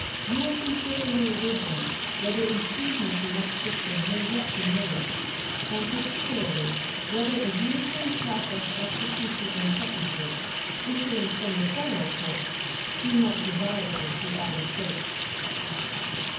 You will consider in your wisdom whether improvements in that system may yet be made, and particularly whether an uniform process of execution on sentences issuing from the Federal courts be not desirable through all the States.